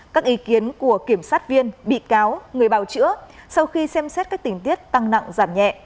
các ý kiến của kiểm sát viên bị cáo người bào chữa sau khi xem xét các tình tiết tăng nặng giảm nhẹ